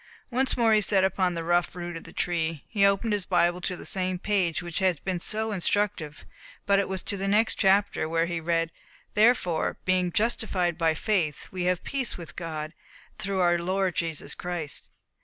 Once more he sat upon the rough root of the tree. He opened his Bible to the same page which had been so instructive, but it was to the next chapter, where he read: "Therefore, being justified by faith, we have peace with God, through our Lord Jesus Christ."